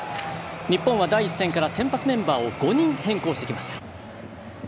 日本は第１戦から先発メンバーを５人変更してきました。